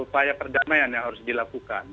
upaya perdamaian yang harus dilakukan